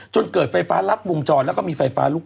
จนเกิดไฟฟ้าลัดวงจอนและมีไฟฟ้า